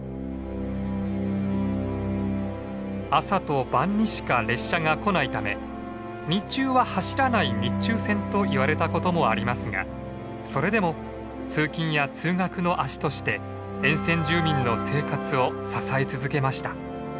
朝と晩にしか列車が来ないため「日中は走らない日中線」といわれたこともありますがそれでも通勤や通学の足として沿線住民の生活を支え続けました。